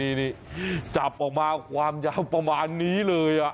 นี่จับออกมาความยาวประมาณนี้เลย